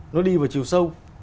nó đi vào chiều sâu